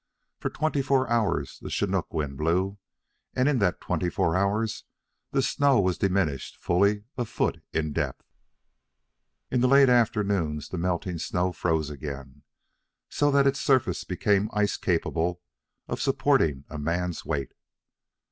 For twenty four hours the Chinook wind blew, and in that twenty four hours the snow was diminished fully a foot in depth. In the late afternoons the melting snow froze again, so that its surface became ice capable of supporting a man's weight.